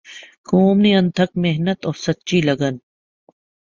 قوم نے انتھک محنت اور سچی لگن